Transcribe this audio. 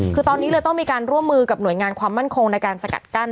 คือตอนนี้เลยต้องมีการร่วมมือกับหน่วยงานความมั่นคงในการสกัดกั้น